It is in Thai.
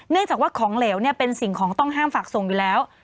จากว่าของเหลวเป็นสิ่งของต้องห้ามฝากส่งอยู่แล้ว